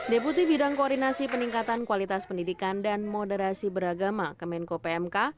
deputi bidang koordinasi peningkatan kualitas pendidikan dan moderasi beragama kemenko pmk